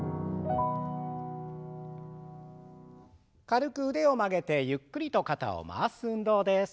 軽く腕を曲げてゆっくりと肩を回す運動です。